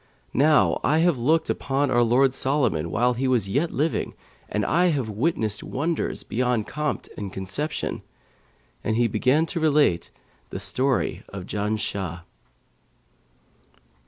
Now I have looked upon our lord Solomon while he was yet living and I have witnessed wonders beyond compt and conception.' And he began to relate The Story of Janshah.